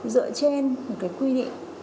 dựa trên một cái quy định